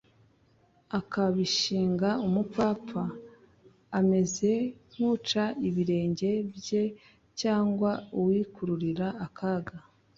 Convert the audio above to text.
akabishinga umupfapfa ameze nk uca ibirenge bye cyangwa uwikururira akaga